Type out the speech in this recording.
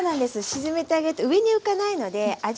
沈めてあげて上に浮かないので味